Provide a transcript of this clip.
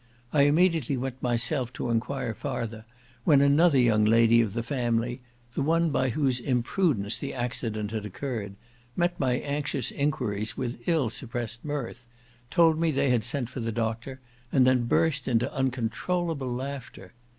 I immediately went myself to enquire farther, when another young lady of the family, the one by whose imprudence the accident had occurred, met my anxious enquiries with ill suppressed mirth—told me they had sent for the doctor—and then burst into uncontrollable laughter.